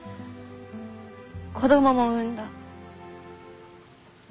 子供も産んだ。